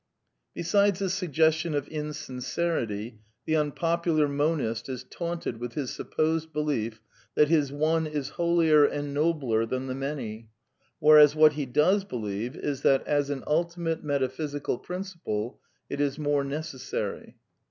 Besides this suggestion of insincerity, the unpopular monist is taunted with his supposed belief that his One | is holier and "nobler," than the Many; whereas what he / does believe is that, as an ultimate metaphysical principle,/ it is more necessary.